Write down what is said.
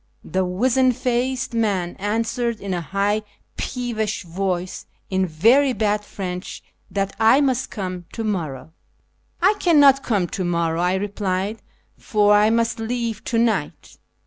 The wizen faced man answ^ered in a high peevish voice in very bad French that I must come to morrow. " I cannot come to morrow/' I replied, " for I must leave to ni"ht."